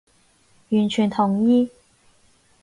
完全同意